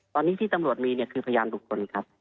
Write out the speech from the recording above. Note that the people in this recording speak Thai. ตอนนี้ที่ตำรวจมีเนี่ยคือพยานบุคคลครับ